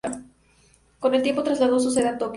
Con el tiempo, trasladó su sede a Tokio.